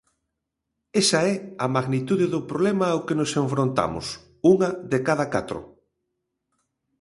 Esa é a magnitude do problema ao que nos enfrontamos, unha de cada catro.